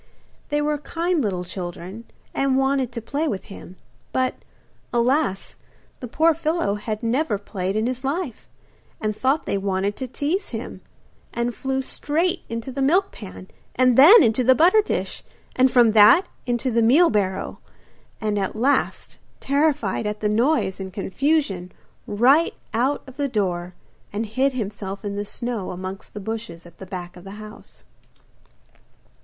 They were kind little children, and wanted to play with him; but, alas! the poor fellow had never played in his life, and thought they wanted to tease him, and flew straight into the milk pan, and then into the butter dish, and from that into the meal barrel, and at last, terrified at the noise and confusion, right out of the door, and hid himself in the snow amongst the bushes at the back of the house.